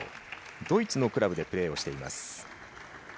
ドイツのクラブでプレーをしています。